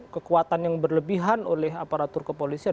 kekuatan yang berlebihan oleh aparatur kepolisian